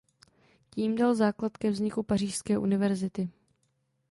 Tím dal základ ke vzniku Pařížské univerzity.